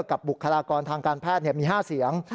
บุคลากรทางการแพทย์มี๕เสียง